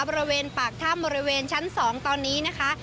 บริเวณปากถ้ำบริเวณชั้น๒ตอนนี้นะคะ